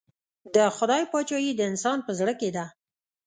د خدای پاچهي د انسان په زړه کې ده.